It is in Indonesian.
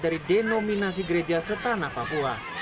dari denominasi gereja setanah papua